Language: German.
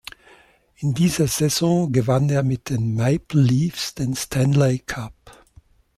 In dieser Saison gewann er mit den Maple Leafs den Stanley Cup.